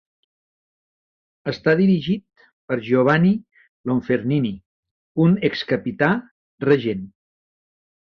Està dirigit per Giovanni Lonfernini, un ex-capità regent.